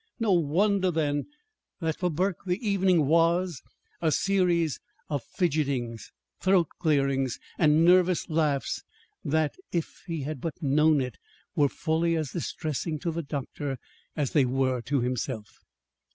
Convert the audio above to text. No wonder, then, that for Burke the evening was a series of fidgetings, throat clearings, and nervous laughs that (if he had but known it) were fully as distressing to the doctor as they were to himself.